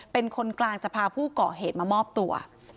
เป็นคนกลางจะพาผู้ก่อเหตุมามอบตัว